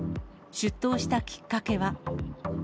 出頭したきっかけは。